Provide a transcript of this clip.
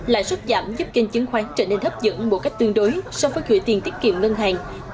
lãi suất giảm giúp kênh chứng khoán trở nên hấp dẫn một cách tương đối so với khửi tiền tiết kiệm ngân hàng